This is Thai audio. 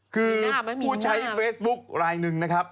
คือผู้ใช้เฟซบุ๊คลายหนึ่งนะครับ